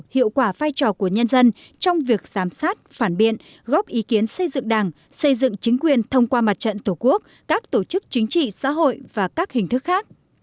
hiệu quả vai trò của nhân dân trong việc giám sát phản biện góp ý kiến xây dựng đảng xây dựng chính quyền thông qua mặt trận tổ quốc các tổ chức chính trị xã hội và các hình thức khác